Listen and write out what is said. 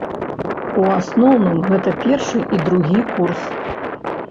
У асноўным гэта першы і другі курс.